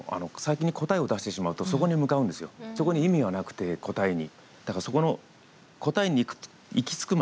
そこに意味はなくて、答えに。